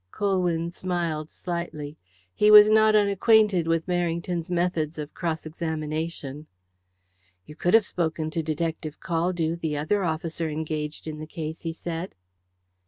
Colwyn smiled slightly. He was not unacquainted with Merrington's methods of cross examination. "You could have spoken to Detective Caldew, the other officer engaged in the case," he said.